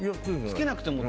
つけなくても？